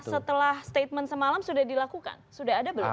sudah ada belum